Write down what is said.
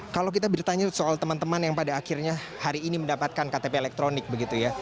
kalau kita bertanya soal teman teman yang pada akhirnya hari ini mendapatkan ktp elektronik begitu ya